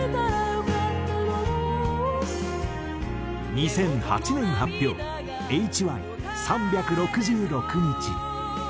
２００８年発表ＨＹ『３６６日』。